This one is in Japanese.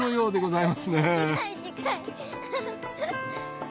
はい！